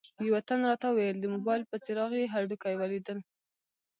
یوه تن راته وویل د موبایل په څراغ یې هډوکي ولیدل.